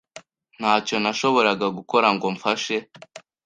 Ntacyo nashoboraga gukora ngo mfashe.